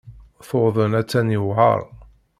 Tuḍen aṭṭan yewεer.